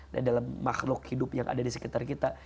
dan dalam makhluk hidup yang ada di sekitar kita